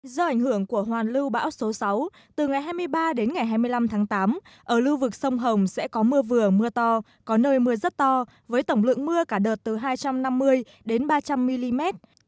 do ảnh hưởng của hoàn lưu bão số sáu từ ngày hai mươi ba đến ngày hai mươi năm tháng tám ở lưu vực sông hồng sẽ có mưa vừa mưa to có nơi mưa rất to với tổng lượng mưa cả đợt từ hai trăm năm mươi đến ba trăm linh mm